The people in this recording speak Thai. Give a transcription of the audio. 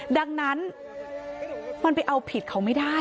ดังนั้นมันไปเอาผิดเขาไม่ได้